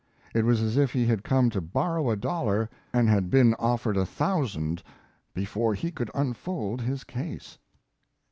It was as if he had come to borrow a dollar and had been offered a thousand before he could unfold his case.